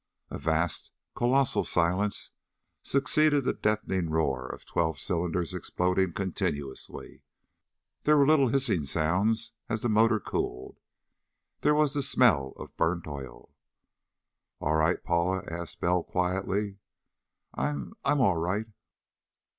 A vast, a colossal silence succeeded the deafening noise of twelve cylinders exploding continuously. There were little hissing sounds as the motor cooled. There was the smell of burnt oil. "All right, Paula?" asked Bell quietly. "I I'm all right."